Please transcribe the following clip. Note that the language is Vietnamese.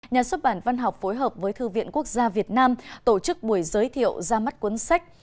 nhà xuất bản văn học phối hợp với thư viện quốc gia việt nam tổ chức buổi giới thiệu ra mắt cuốn sách